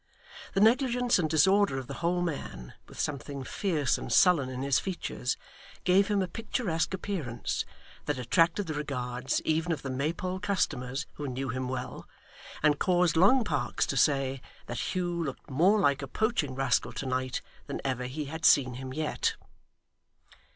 The negligence and disorder of the whole man, with something fierce and sullen in his features, gave him a picturesque appearance, that attracted the regards even of the Maypole customers who knew him well, and caused Long Parkes to say that Hugh looked more like a poaching rascal to night than ever he had seen him yet.